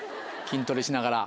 筋トレしながら。